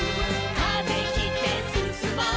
「風切ってすすもう」